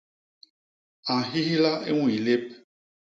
A nhihla i ñwii lép.